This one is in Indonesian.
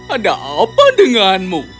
ada apa denganmu